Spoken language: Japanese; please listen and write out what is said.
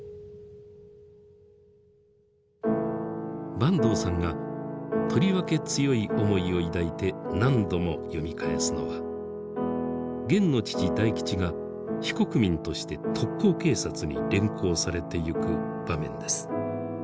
坂東さんがとりわけ強い思いを抱いて何度も読み返すのはゲンの父大吉が非国民として特高警察に連行されてゆく場面です。